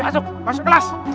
masuk ke kelas